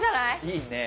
いいね。